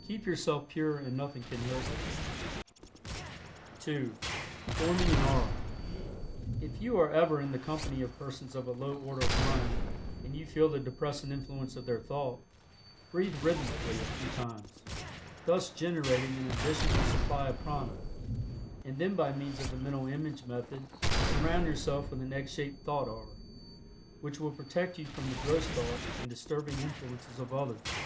Keep yourself pure and nothing can hurt you. (2) FORMING AN AURA. If you are ever in the company of persons of a low order of mind, and you feel the depressing influence of their thought, breathe rhythmically a few times, thus generating an additional supply of prana, and then by means of the mental image method surround yourself with an egg shaped thought aura, which will protect you from the gross thought and disturbing influences of others.